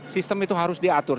sistem itu harus diatur